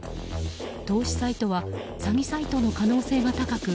投資サイトは詐欺サイトの可能性が高く